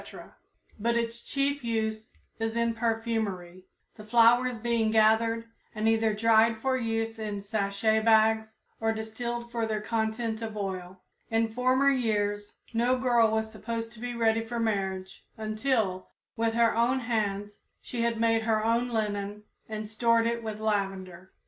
but its chief use is in perfumery, the flowers being gathered and either dried for use in sachet bags or distilled for their content of oil. In former years no girl was supposed to be ready for marriage until, with her own hands, she had made her own linen and stored it with lavender.